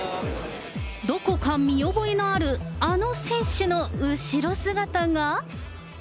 どこか見覚えのある、あの選手の後ろ姿が。